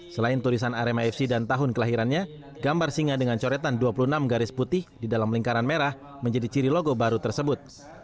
selain tulisan arema fc dan tahun kelahirannya gambar singa dengan coretan dua puluh enam garis putih di dalam lingkaran merah menjadi ciri logo baru tersebut